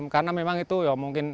karena memang itu ya mungkin